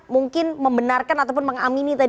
mungkin membenarkan ataupun mengamini tadi